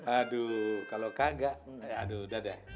aduh kalau kagak aduh udah deh